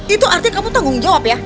itu artinya kamu tanggung jawab ya